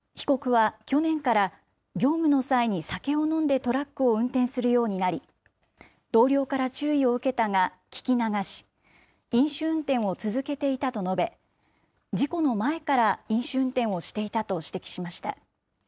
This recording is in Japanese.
また、被告は去年から業務の際に酒を飲んでトラックを運転するようになり、同僚から注意を受けたが聞き流し、飲酒運転を続けていたと述べ、事故の前から飲酒運転をしていたと指摘しました。